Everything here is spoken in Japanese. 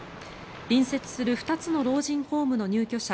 隣接する２つの老人ホームの入居者